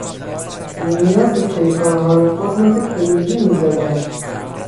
بومیان به پیکانهای خود نوک فلزی میزدند.